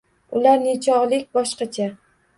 Ular nechogʻlik boshqacha?